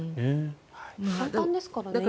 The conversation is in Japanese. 簡単ですからね、今。